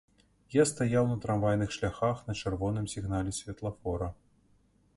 Я стаяў на трамвайных шляхах на чырвоным сігнале святлафора.